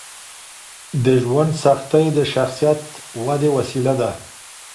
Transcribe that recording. د ژوند سختۍ د شخصیت ودې وسیله ده.